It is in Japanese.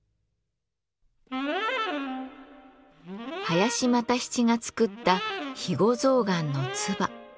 林又七が作った肥後象がんの鐔。